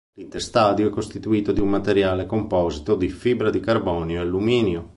L'interstadio è costituito di un materiale composito di fibra di carbonio e alluminio.